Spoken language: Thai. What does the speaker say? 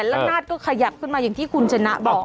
แล้วนาดก็ขยับขึ้นมาอย่างที่คุณชนะบอก